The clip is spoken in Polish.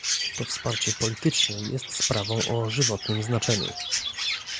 To wsparcie polityczne jest sprawą o żywotnym znaczeniu